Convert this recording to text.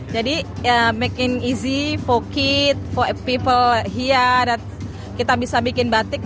jadi making easy for kids for people here that kita bisa bikin batik